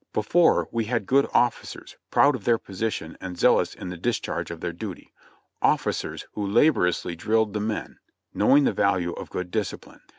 Before, we had good officers, proud of their position and zeal ous in the discharge of their duty — officers who laboriously drilled the men, knowing the value of good discipline.